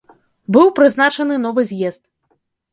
Быў прызначаны новы з'езд.